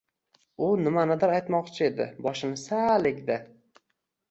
U nimanidir aytmoqchi edi. Boshini sal egdi: